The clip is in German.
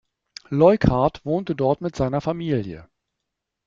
Leuckart wohnte dort mit seiner Familie.